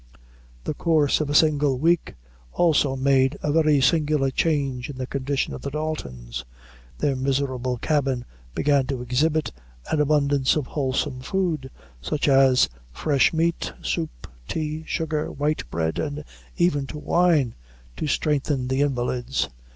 The course of a single week also made a very singular change in the condition of the Daltons. Their miserable cabin began to exhibit an abundance of wholesome food, such as fresh meat, soup, tea, sugar, white bread, and even to wine, to strengthen the invalids.